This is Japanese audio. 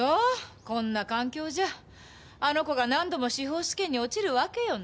こんな環境じゃあの子が何度も司法試験に落ちるわけよね。